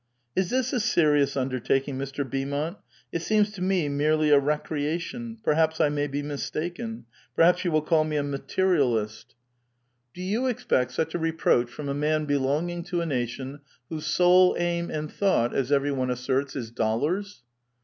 " Is this a serious undertaking, Mr. Beaumont? It seems to me merely a recreation ; perhaps I may be mistaken ; maybe you will call me a materialist." 4 VITAL QUESTION. 427 ^* Do you expect such a reproach from a man belonging to a nation whose sole aim and thought, as every one asserts, is dollars?"